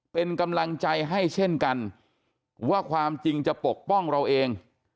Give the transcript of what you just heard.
เป็นกำลังใจให้เช่นกันว่าความจริงจะปกป้องเราเอง